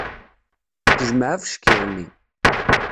Tejmeɛ abeckiḍ-nni.